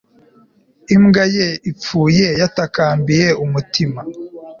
Imbwa ye ipfuye yatakambiye umutima